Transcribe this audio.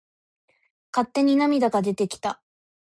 勝手に涙が出てきた。